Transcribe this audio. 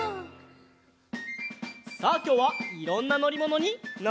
さあきょうはいろんなのりものにのろう！